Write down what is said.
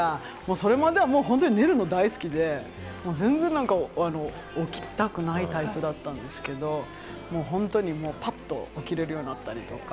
それまでは本当に寝るの大好きで、ずっと起きたくないタイプだったんですけれども、ぱっと起きれるようになったりとか。